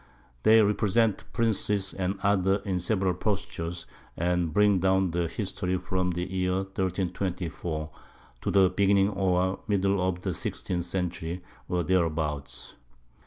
They represent Princes and others in several Postures, and bring down their History from the Year 1324. to the Beginning or Middle of the 16_th_ Century, or thereabouts.